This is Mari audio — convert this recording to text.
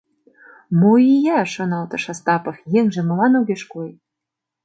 «Мо ия, — шоналтыш Остапов, — еҥже молан огеш кой?